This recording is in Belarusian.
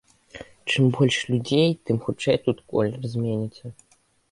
Чым больш людзей, тым хутчэй тут колер зменіцца.